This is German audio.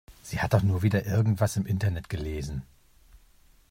Sie hat doch nur wieder irgendwas im Internet gelesen.